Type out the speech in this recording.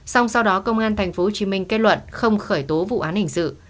xong sau đó công an tp hcm kết luận không khởi tố vụ án hình sự